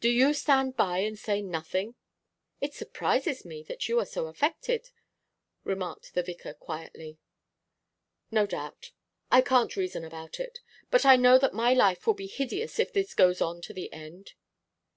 Do you stand by and say nothing?' 'It surprises me that you are so affected,' remarked the vicar quietly. 'No doubt. I can't reason about it. But I know that my life will be hideous if this goes on to the end.